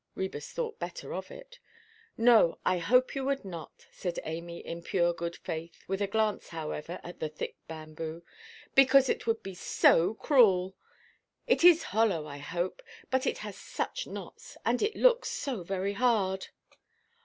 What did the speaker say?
Ræbus thought better of it. "No, I hope you would not," said Amy, in pure good faith, with a glance, however, at the thick bamboo, "because it would be so cruel. It is hollow, I hope; but it has such knots, and it looks so very hard!"